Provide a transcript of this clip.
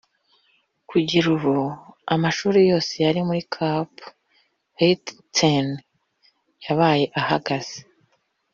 kugera ubu amashuri yose ari Cap-Haitien yabaye ahagaze